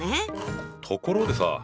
ところでさ